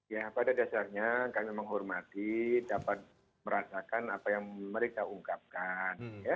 ya pada dasarnya kami menghormati dapat merasakan apa yang mereka ungkapkan